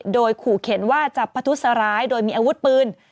โดยขู่เข็นว่าจับประทุษร้ายโดยมีอาวุธปืน